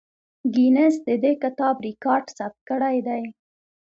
ګینس د دې کتاب ریکارډ ثبت کړی دی.